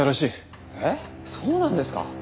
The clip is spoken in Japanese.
えっそうなんですか？